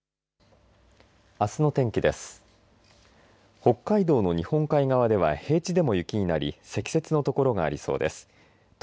あすの天気です。